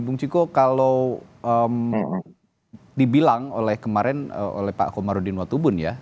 bung ciko kalau dibilang oleh kemarin oleh pak komarudin watubun ya